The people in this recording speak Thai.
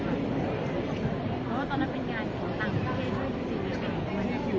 เวลาแรกพี่เห็นแวว